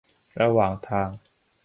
ระหว่างทาง